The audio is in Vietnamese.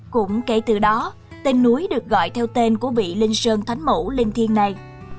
cũng kể từ đó tên núi được gọi theo tên của vị linh sơn thánh mẫu linh thiên này